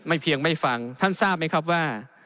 เพียงไม่ฟังท่านทราบไหมครับว่า